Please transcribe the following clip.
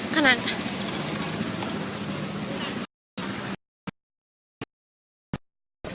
ขนาดนี้